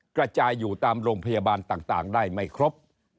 กระจายอยู่ตามโรงพยาบาลต่างได้ไม่ครบ